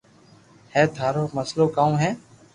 ھي ٿارو مسلئ ڪاو ھي